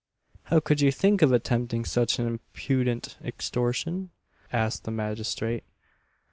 "How could you think of attempting such an impudent extortion!" asked the magistrate.